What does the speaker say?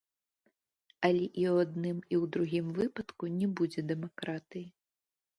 Але і ў адным, і ў другім выпадку не будзе дэмакратыі.